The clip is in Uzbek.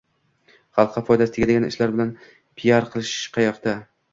xalqqa foydasi tegadigan ishlar bilan piar qilish qayoqda.